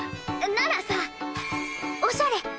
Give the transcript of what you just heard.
ならさおしゃれ！